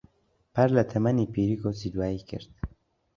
پار لە تەمەنی پیری کۆچی دوایی کرد.